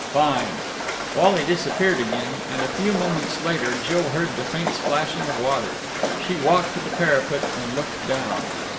"Fine!" Wally disappeared again, and a few moments later Jill heard the faint splashing of water. She walked to the parapet and looked down.